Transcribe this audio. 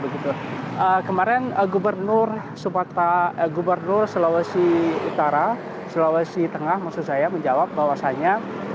kemarin gubernur sulawesi utara sulawesi tengah maksud saya menjawab bahwasannya